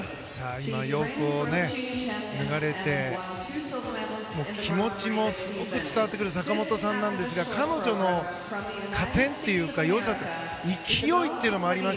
今、洋服を脱がれて気持ちもすごく伝わってくる坂本さんなんですが彼女の加点というか、よさ勢いというのもあります